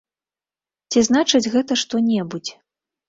Ці значыць гэта што-небудзь?